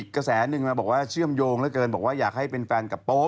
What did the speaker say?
กระแสหนึ่งมาบอกว่าเชื่อมโยงเหลือเกินบอกว่าอยากให้เป็นแฟนกับโป๊